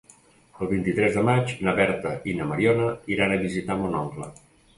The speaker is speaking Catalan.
El vint-i-tres de maig na Berta i na Mariona iran a visitar mon oncle.